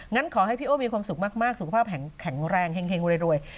งั้นขอให้พี่โอ้มีความสุขมากสุขภาพแข็งแรงเฮงรวย